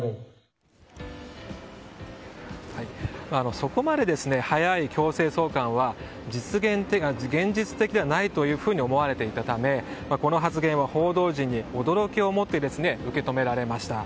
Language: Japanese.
そこまで早い強制送還は現実的ではないと思われていたためこの発言は報道陣に驚きをもって受け止められました。